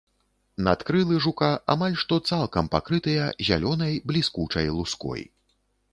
Надкрылы жука амаль што цалкам пакрытыя залёнай бліскучай луской.